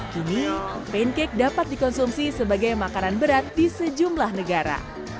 kini pancake dapat dikonsumsi sebagai makanan berat di sejumlah negara